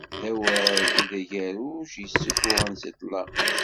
D awal id agerruj i yessufuɣen seg ṭṭlam.